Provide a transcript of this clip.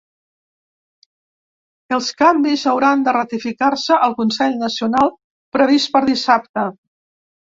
Els canvis hauran de ratificar-se al consell nacional previst per dissabte.